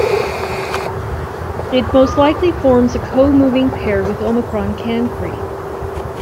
It most likely forms a co-moving pair with Omicron Cancri.